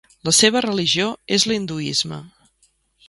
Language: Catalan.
La seva religió és l'hinduisme.